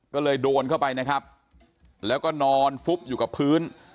ก็เลยโดนเข้าไปนะครับแล้วก็นอนฟุบอยู่กับพื้น